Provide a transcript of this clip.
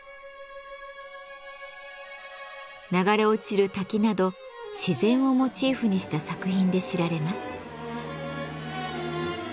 流れ落ちる滝など自然をモチーフにした作品で知られます。